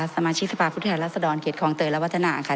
สมาชิกสภาพุทธแหละสะดอนเกียรติความเตยและวัฒนาค่ะ